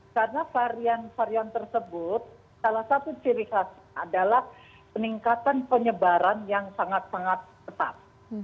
karena varian varian tersebut salah satu ciri khas adalah peningkatan penyebaran yang sangat sangat tetap